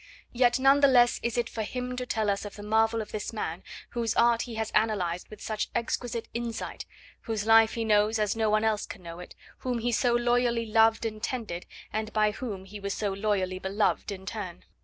Yet none the less is it for him to tell us of the marvel of this man whose art he has analysed with such exquisite insight, whose life he knows as no one else can know it, whom he so loyally loved and tended, and by whom he was so loyally beloved in turn.